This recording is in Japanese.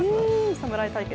侍対決。